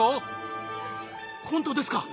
本当ですか！？